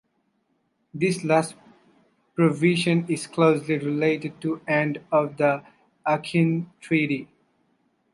This last provision is closely related to and of the Aachen Treaty.